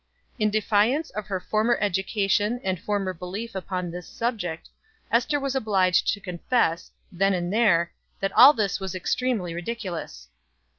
In defiance of her education and former belief upon this subject, Ester was obliged to confess, then and there, that all this was extremely ridiculous.